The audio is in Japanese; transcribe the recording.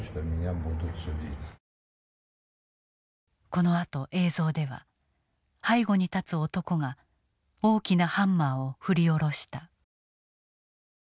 このあと映像では背後に立つ男が大きなハンマーを振り下ろした。